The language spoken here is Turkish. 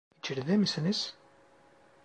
İçeride misiniz?